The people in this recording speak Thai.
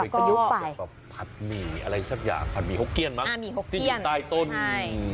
ก็รูปภัทรหมี่มีอะไรซักอย่างต้อง